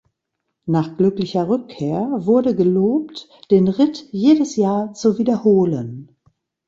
Nach glücklicher Rückkehr wurde gelobt, den Ritt jedes Jahr zu wiederholen.